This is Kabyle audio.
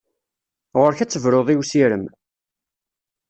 Ɣur-k ad tebruḍ i usirem!